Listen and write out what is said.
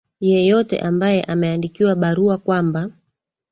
yeyote ambaye ameandikiwa barua kwamba